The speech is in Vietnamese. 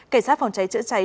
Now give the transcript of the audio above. cảnh sát phòng cháy chữa cháy